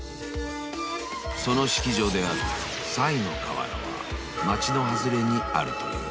［その式場である賽の河原は町の外れにあるという］